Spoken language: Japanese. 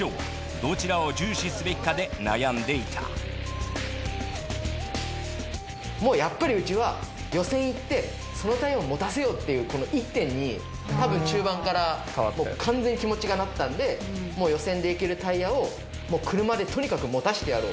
どちらを重視すべきかで悩んでいたもうやっぱりうちは予選いってそのタイムを持たせようっていうこの１点にたぶん中盤から完全に気持ちがなったんでもう予選でいけるタイヤを車でとにかく持たせてやろう。